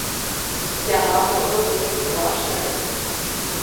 Яна можа быць страшнай.